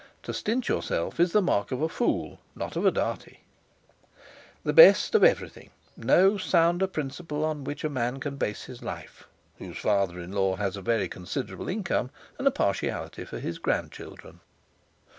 To stint yourself is the mark of a fool, not of a Dartie. The best of everything! No sounder principle on which a man can base his life, whose father in law has a very considerable income, and a partiality for his grandchildren.